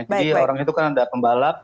jadi orang itu kan ada pembalap